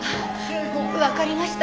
わかりました。